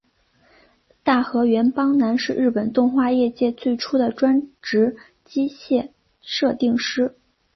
大河原邦男是日本动画业界最初的专职机械设定师。